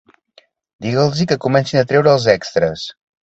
Diga'ls-hi que comencin a treure els extres.